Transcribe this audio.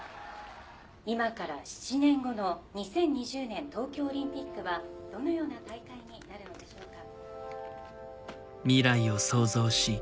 今から７年後の２０２０年東京オリンピックはどのような大会になるのでしょうか。